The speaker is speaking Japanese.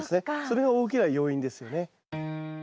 それが大きな要因ですよね。